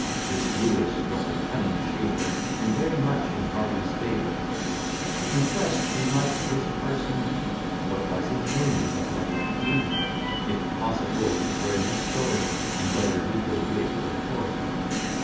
(This Lewis was a cunning shaver, And very much in Harley's favour) In quest who might this parson be, What was his name, of what degree; If possible, to learn his story, And whether he were Whig or Tory.